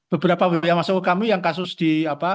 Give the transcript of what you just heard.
beberapa web yang masuk ke kami yang kasus di